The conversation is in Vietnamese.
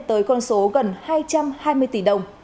tới con số gần hai trăm hai mươi tỷ đồng